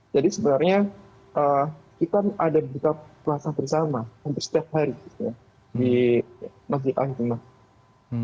jadi sebenarnya kita ada buka puasa bersama hampir setiap hari di masjid al ikhmah